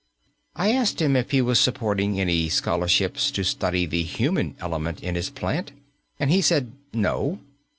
I asked him if he was supporting any scholarships to study the human element in his plant, and he said "No."